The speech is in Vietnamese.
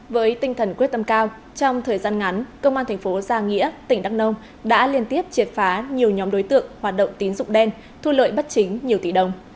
với tinh thần quyết tâm cao trong thời gian ngắn công an thành phố gia nghĩa tỉnh đắk nông đã liên tiếp triệt phá nhiều nhóm đối tượng hoạt động tín dụng đen thu lợi bất chính nhiều tỷ đồng